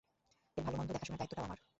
এর ভালো মন্দ দেখাশোনার দায়িত্বটাও আমার।